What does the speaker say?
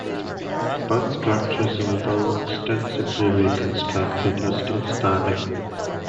Both structures, although extensively reconstructed, are still standing.